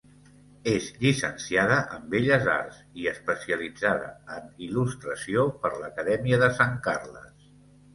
És llicenciada en Belles Arts i especialitzada en il·lustració per l'Acadèmia de Sant Carles.